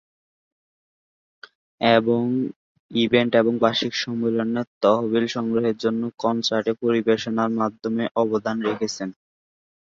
এবং ইভেন্ট এবং বার্ষিক সম্মেলনের তহবিল সংগ্রহের জন্য কনসার্টে পরিবেশনার মাধ্যমে অবদান রেখেছেন।